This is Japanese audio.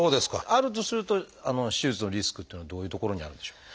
あるとすると手術のリスクっていうのはどういうところにあるんでしょう？